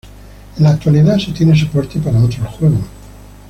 En la actualidad se tiene soporte para otros juegos.